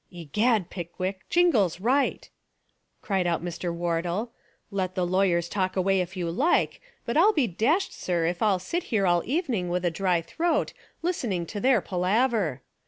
"Egad, Pickwick, Jingle's right," cried out Mr. Wardle, "let the lawyers talk away if you 197 Essays and Literary Studies like, but I'll be dashed, sir, if I'll sit here all evening with a dry throat listening to their palaver.